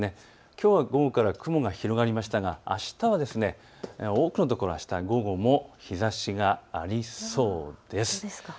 きょうは午後から雲が広がりましたが、あしたは多くの所、あしたは午後も日ざしがありそうです。